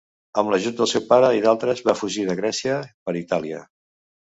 Amb l'ajut del seu pare i d'altres va fugir de Grècia per Itàlia.